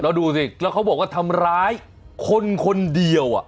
แล้วดูสิแล้วเขาบอกว่าทำร้ายคนคนเดียว